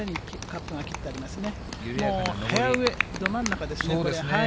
フェアウエーど真ん中ですね、これはね。